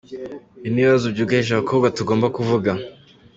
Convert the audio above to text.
Ibi ni ibibazo byugarije abakobwa tugomba kuvuga.